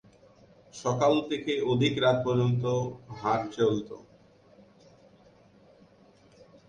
সকাল থেকে অধিক রাত পর্যন্ত হাট চলত।